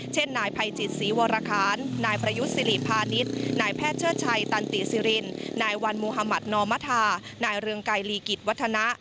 เช่นนายภัยจิตศรีวรคารนายประยุทธ์สิริพาณิชย์นายแพทย์เชิดชัยตันติสิรินนายวันมุธมัธนอมธานายเรืองไกรลีกิจวัฒนะ